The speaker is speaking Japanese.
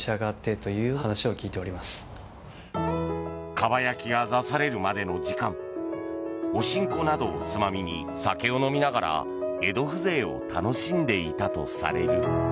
かば焼きが出されるまでの時間お新香などをつまみに酒を飲みながら江戸風情を楽しんでいたとされる。